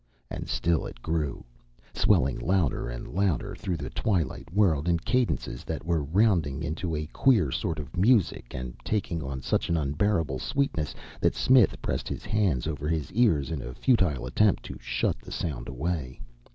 And still it grew, swelling louder and louder through the twilight world in cadences that were rounding into a queer sort of music and taking on such an unbearable sweetness that Smith pressed his hands over his ears in a futile attempt to shut the sound away.